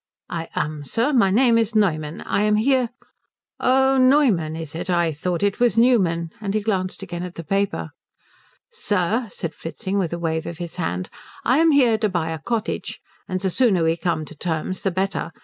"I am, sir. My name is Neumann. I am here " "Oh, Noyman, is it? I thought it was Newman." And he glanced again at the paper. "Sir," said Fritzing, with a wave of his hand, "I am here to buy a cottage, and the sooner we come to terms the better.